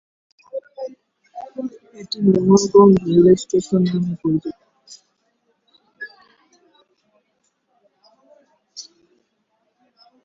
এটি মোহনগঞ্জ রেলস্টেশন নামে পরিচিত।